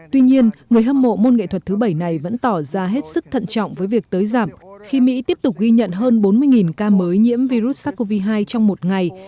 tuy nhiên người hâm mộ môn nghệ thuật thứ bảy này vẫn tỏ ra hết sức thận trọng với việc tới giảm khi mỹ tiếp tục ghi nhận hơn bốn mươi ca mới nhiễm virus sars cov hai trong một ngày